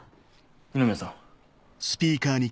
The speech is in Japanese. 二宮さん。